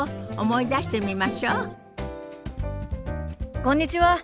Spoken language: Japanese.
こんにちは。